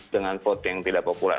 dengan foto yang tidak populer